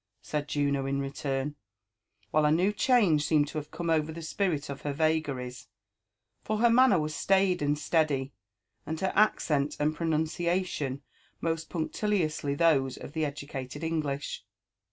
'' said Juno in return, while a new change seemed to have come over the spirit of her vagaries ; for her manner was staid and steady, and her accent and pronuneiation most punctiliously those of the educated English.